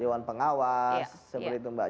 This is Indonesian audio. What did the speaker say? dewan pengawas seperti itu mbak